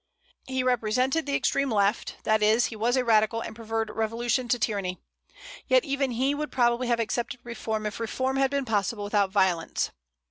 He represented the extreme left; that is, he was a radical, and preferred revolution to tyranny. Yet even he would probably have accepted reform if reform had been possible without violence.